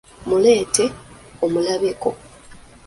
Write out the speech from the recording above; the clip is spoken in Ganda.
Mmuleete omulabe ko?